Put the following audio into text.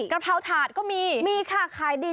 กระเพราถาดก็มีมีค่ะขายดี